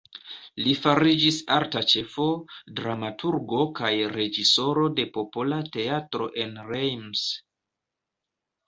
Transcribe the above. Li fariĝis arta ĉefo, dramaturgo kaj reĝisoro de Popola teatro en Reims.